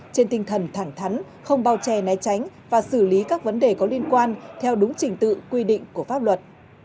trên tinh thần thẳng thắn không bao che né tránh và xử lý các vấn đề có liên quan theo đúng trình tự quy định của pháp luật